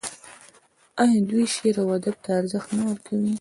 آیا دوی شعر او ادب ته ارزښت نه ورکوي؟